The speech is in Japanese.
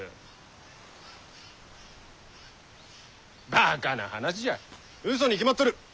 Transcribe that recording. バカな話じゃ嘘に決まっとる。